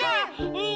うん。